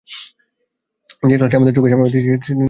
যে গ্লাসটি আমাদের চোখে ভাসিতেছে, সেটি নিশ্চয়ই আসল বহির্বস্তু নয়।